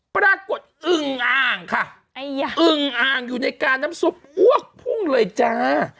ปรากฏอึงอ่างค่ะอึงอ่างอยู่ในกาลน้ำซุปพุ่งเลยจ้า